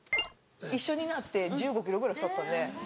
一緒になって１５ｋｇぐらい太ったんで。